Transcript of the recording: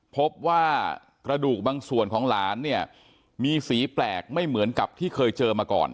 พบว่ากระดูกบางส่วนของหลานเนี่ยมีสีแปลกไม่เหมือนกับที่เคยเจอมาก่อน